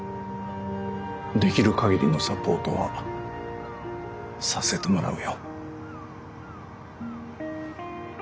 できる限りのサポートはさせてもらうよ。